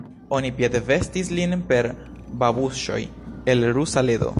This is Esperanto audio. Oni piedvestis lin per babuŝoj el Rusa ledo.